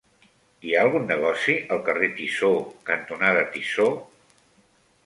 Hi ha algun negoci al carrer Tissó cantonada Tissó?